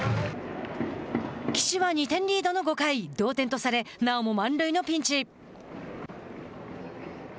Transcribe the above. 岸は２点リードの５回同点とされ、なおも満塁のピンチ。